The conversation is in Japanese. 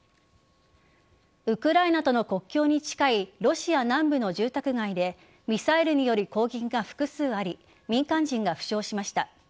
ウクライナとの国境に近いロシア南部の住宅街でミサイルによる攻撃が複数あり民間人が負傷しました。